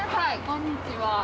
こんにちは。